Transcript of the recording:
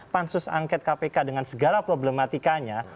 pansus angket kpk dengan segala problematikanya